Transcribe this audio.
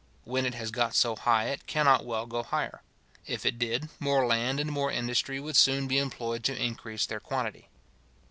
When it has got so high, it cannot well go higher. If it did, more land and more industry would soon be employed to increase their quantity.